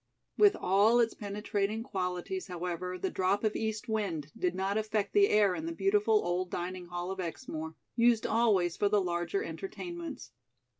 With all its penetrating qualities, however, the drop of East wind did not affect the air in the beautiful old dining hall of Exmoor, used always for the larger entertainments.